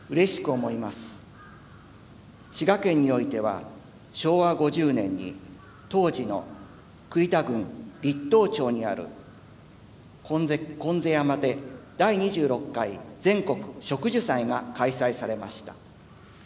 滋賀県においては昭和５０年に当時の栗太郡栗東町にある金勝山で第２６回全国植樹祭が開催されました。